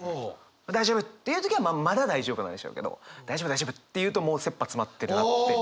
「大丈夫」って言う時はまだ大丈夫なんでしょうけど「大丈夫大丈夫」って言うともうせっぱ詰まってるなって。